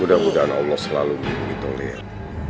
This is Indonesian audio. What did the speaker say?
mudah mudahan allah selalu dihubungi tulis